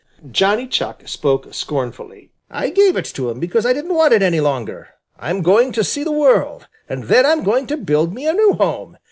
Johnny Chuck spoke scornfully. "I gave it to him because I didn't want it any longer. I'm going to see the world, and then I'm going to build me a new home.